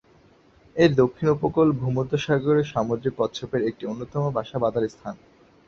এর দক্ষিণ উপকূল ভূমধ্যসাগরীয় সামুদ্রিক কচ্ছপের একটি অন্যতম বাসা বাঁধার স্থান।